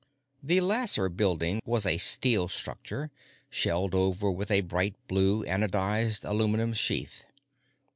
The Lasser Building was a steel structure, shelled over with a bright blue anodized aluminum sheath.